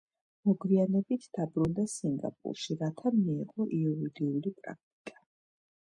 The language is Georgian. მოგვიანებით დაბრუნდა სინგაპურში, რათა მიეღო იურიდიული პრაქტიკა.